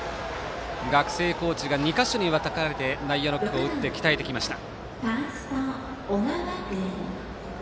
学生コーチが２か所に分かれて内野ノックを打って鍛えてきました。